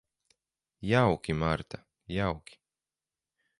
Jauki, Marta, jauki.